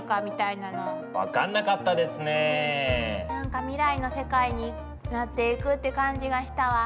なんか未来の世界になっていくって感じがしたわ。